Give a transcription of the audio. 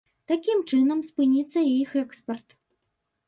Такім чынам, спыніцца і іх экспарт.